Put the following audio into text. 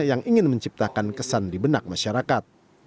yang ingin menciptakan kesan di benak masyarakat